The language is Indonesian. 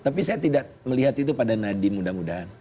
tapi saya tidak melihat itu pada nadiem mudah mudahan